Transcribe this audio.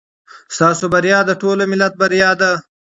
ستاسو بریا د ټول ملت بریا ده.